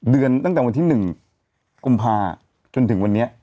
เดือนตั้งแต่วันที่๑กุมภาจนถึงวันนี้